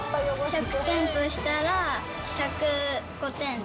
１００点としたら、１０５点で。